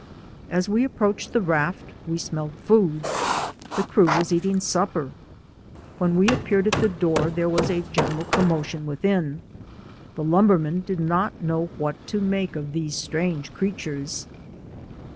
As we approached the raft, we smelled food. The crew was eating supper. When we appeared at the door there was a general com motion within ; the lumbermen did not know what to make of these strange creatures.